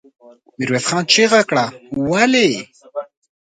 ميرويس خان چيغه کړه! ولې؟